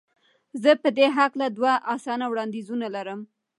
زه په دې هکله دوه اسانه وړاندیزونه لرم.